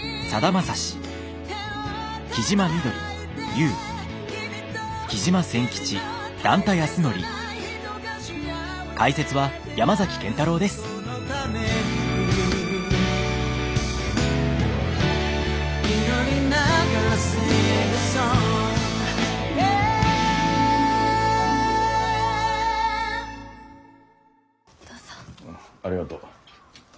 ありがとう。